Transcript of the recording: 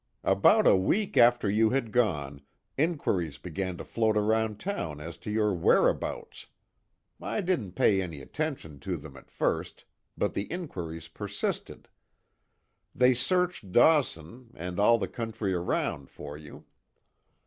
"About a week after you had gone, inquiries began to float around town as to your whereabouts. I didn't pay any attention to them at first, but the inquiries persisted. They searched Dawson, and all the country around for you.